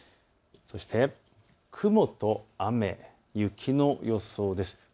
そして雲と雨、雪の予想です。